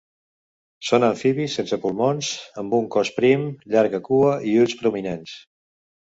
Són amfibis sense pulmons amb un cos prim, llarga cua i ulls prominents.